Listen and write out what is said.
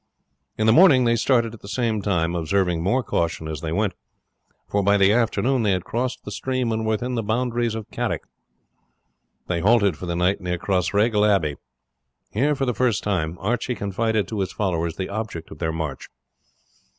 In the morning they started at the same time, observing more caution as they went, for by the afternoon they had crossed the stream and were within the boundaries of Carrick. They halted for the night near Crossraguel Abbey. Here for the first time Archie confided to his followers the object of their march.